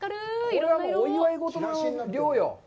これはもうお祝いごとの量よ。